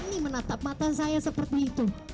ini menatap mata saya seperti itu